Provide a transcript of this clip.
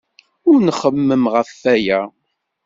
Ur nxemmem ɣef waya.